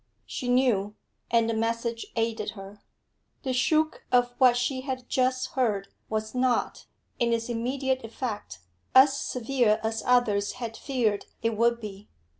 She knew, and the message aided her. The shook of what she had just heard was not, in its immediate effect, as severe as others had feared it would be.